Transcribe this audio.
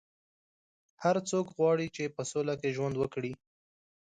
هر څوک غواړي چې په سوله کې ژوند وکړي.